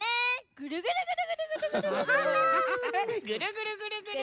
ぐるぐるぐるぐるぐるぐる！